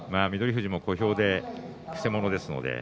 富士も小兵でくせ者です。